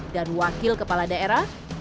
dan wakil kepala daerah